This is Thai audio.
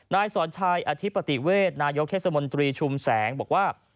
นายสอนชัยอธิปติเวชนายกเทศมนตรีชุมแสงบอกว่า